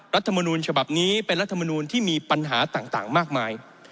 รัฐมนูลฉบับนี้เป็นรัฐมนูลที่มีปัญหาต่างมากมาย